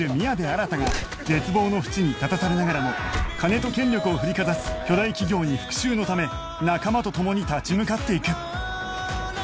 新が絶望の淵に立たされながらも金と権力を振りかざす巨大企業に復讐のため仲間と共に立ち向かっていく